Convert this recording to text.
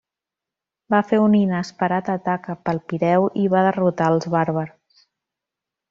Va fer un inesperat atac cap al Pireu i va derrotar els bàrbars.